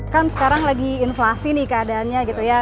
kan sekarang lagi inflasi nih keadaannya gitu ya